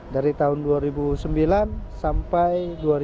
dari tahun dua ribu sembilan sampai dua ribu dua puluh